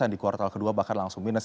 di kuartal kedua bahkan langsung minus